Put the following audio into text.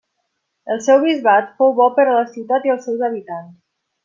El seu bisbat fou bo per a la ciutat i els seus habitants.